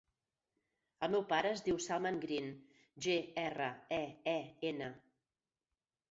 El meu pare es diu Salman Green: ge, erra, e, e, ena.